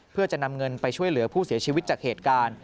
เพื่อจะนำเงินไปช่วยเหลือผู้เสียชีวิตจากเหตุการณ์